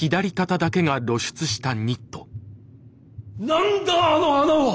何だあの穴は！